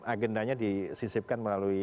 agendanya disisipkan melalui